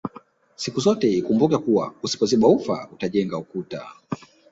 Sikuzote ikumbukwe kuwa usipoziba ufa utajenga ukuta